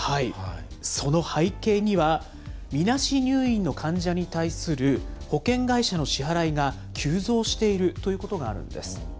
その背景には、みなし入院の患者に対する保険会社の支払いが急増しているということがあるんです。